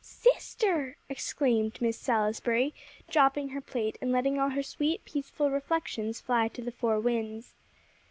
"Sister!" exclaimed Miss Salisbury, dropping her plate, and letting all her sweet, peaceful reflections fly to the four winds.